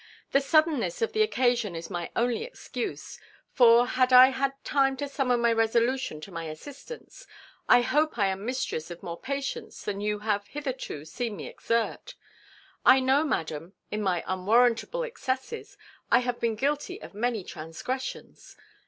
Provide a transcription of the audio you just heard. The suddenness of the occasion is my only excuse; for, had I had time to summon my resolution to my assistance, I hope I am mistress of more patience than you have hitherto seen me exert. I know, madam, in my unwarrantable excesses, I have been guilty of many transgressions.